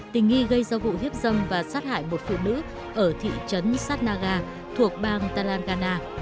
tình nghi gây do vụ hiếp dâm và sát hại một phụ nữ ở thị trấn sattnagar thuộc bang talangana